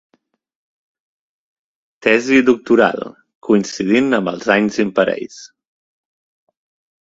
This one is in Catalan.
"Tesi doctoral", coincidint amb els anys imparells.